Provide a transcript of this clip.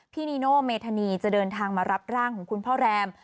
นีโน่เมธานีจะเดินทางมารับร่างของคุณพ่อแรม